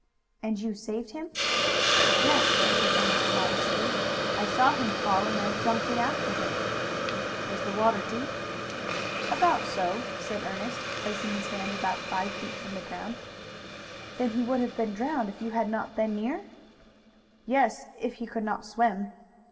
"And you saved him?" "Yes," answered Ernest modestly. "I saw him fall and jumped in after him." "Was the water deep?" "About so deep," said Ernest, placing his hand about five feet from the ground. "Then he would have been drowned if you had not been near?" "Yes, if he could not swim."